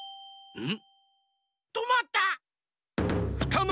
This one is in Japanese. うん！